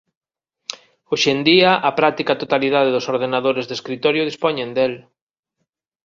Hoxe en día a práctica totalidade dos ordenadores de escritorio dispoñen del.